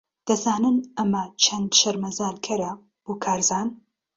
دەزانن ئەمە چەند شەرمەزارکەرە بۆ کارزان؟